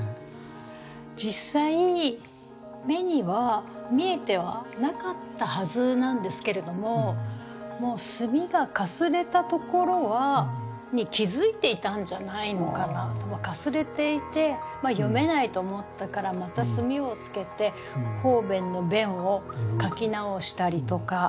実際目には見えてはなかったはずなんですけれどももう墨がかすれたところは気付いていたんじゃないのかなとかかすれていて読めないと思ったからまた墨をつけて方便の「便」を書き直したりとか。